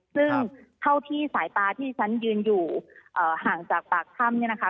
ซึ่งเท่าที่สายตาที่ฉันยืนอยู่ห่างจากปากถ้ำเนี่ยนะคะ